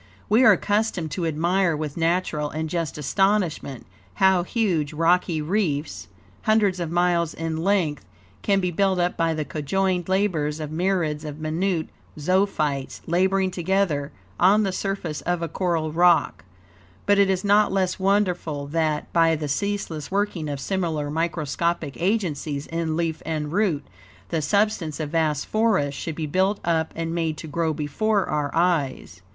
We are accustomed to admire, with natural and just astonishment, how huge, rocky reefs, hundreds of miles in length, can be built up by the conjoined labors of myriads of minute zoophytes, laboring together on the surface of a coral rock; but it is not less wonderful that, by the ceaseless working of similar microscopic agencies in leaf and root, the substance of vast forests should be built up and made to grow before our eyes.